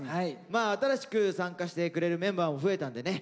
まあ新しく参加してくれるメンバーも増えたんでね